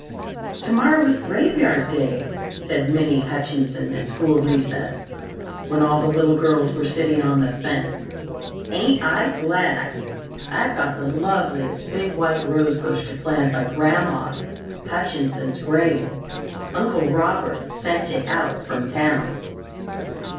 "Tomorrow is Graveyard Day," said Minnie Hutchinson at school recess, when all the little girls were sitting on the fence. "Ain't I glad! I've got the loveliest big white rosebush to plant by Grandma Hutchinson's grave. Uncle Robert sent it out from town."